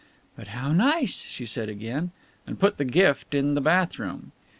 "But how nice," she said again, and put the gift in the bath room.